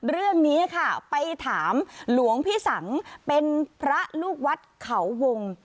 เรื่องนี้ค่ะไปถามหลวงพี่สังเป็นพระลูกวัดเขาวง